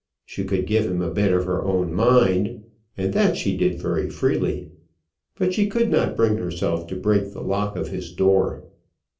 She could give him a bit of her own mind, and that she did very freely; but she could not bring herself to break the lock of his door.